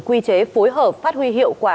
quy chế phối hợp phát huy hiệu quả